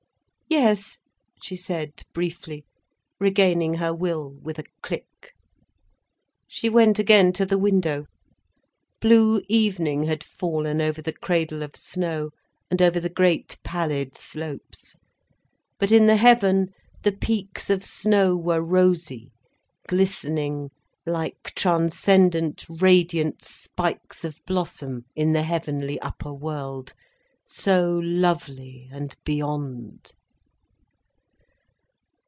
"Yes," she said briefly, regaining her will with a click. She went again to the window. Blue evening had fallen over the cradle of snow and over the great pallid slopes. But in the heaven the peaks of snow were rosy, glistening like transcendent, radiant spikes of blossom in the heavenly upper world, so lovely and beyond.